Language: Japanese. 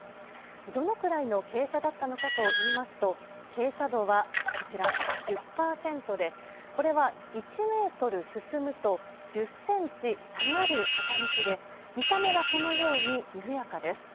どのくらいの傾斜だったのかといいますと、傾斜度はこちら、１０％で、これは１メートル進むと、１０センチ下がる傾きで、見た目はこのように緩やかです。